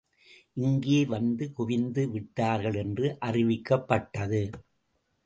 இங்கே வந்து குவிந்து விட்டார்கள் என்று அறிவிக்கப்பட்டது.